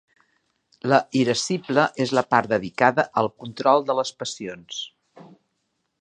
La irascible és la part dedicada al control de les passions.